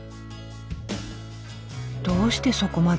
どうしてそこまで？